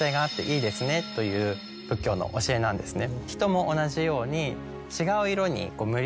という仏教の教えなんですね。